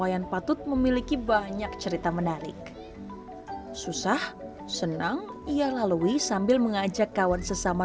wayan patut memiliki banyak cerita menarik susah senang ia lalui sambil mengajak kawan sesama